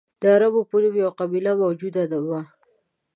د عربو په نوم یوه قبیله موجوده وه.